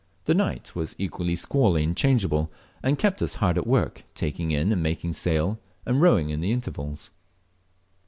The night was equally squally and changeable, and kept us hard at work taking in and making sail, and rowing in the intervals.